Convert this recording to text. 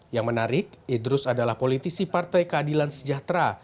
yang menarik idrus adalah politisi partai keadilan sejahtera